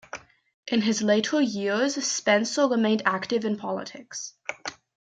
In his later years, Spencer remained active in politics.